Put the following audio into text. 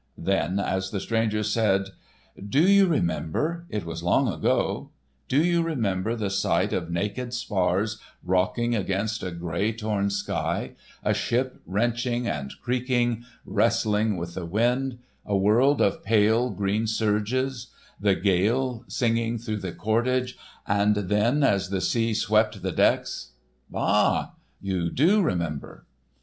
Then as the stranger said: "Do you remember,—it was long ago. Do you remember the sight of naked spars rocking against a grey torn sky, a ship wrenching and creaking, wrestling with the wind, a world of pale green surges, the gale singing through the cordage, and then as the sea swept the decks—ah, you do remember."